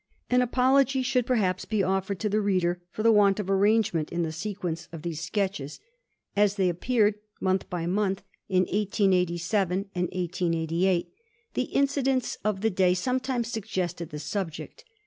An apology should, perhaps, be offered to the reader for the want of arrangement in the sequence of these sketches. As they appeared month by month, in 1887 and 1888, the incidents of the day sometimes suggested the subject.